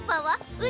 う。